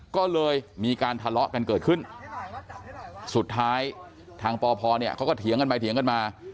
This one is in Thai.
ก็เลยมีการทะเลาะกันเกิดขึ้นสุดท้ายทางปพเนี่ยเขาก็เถียงกันไปเถียงกันมา